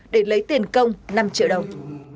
để lấy tiền công năm triệu đồng